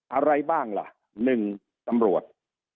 อะไรบ้างล่ะ๑ตำรวจ